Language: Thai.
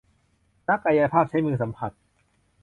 นักกายภาพใช้มือสัมผัส